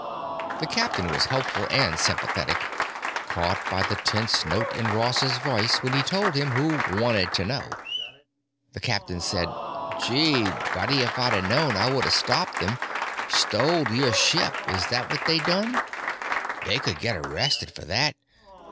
The Captain was helpful and sympathetic; caught by the tense note in Ross's voice when he told him who wannit to know, the Captain said, "Gee, buddy, if I'd of known I woulda stopped them. Stoled your ship, is that what they done? They could get arrested for that.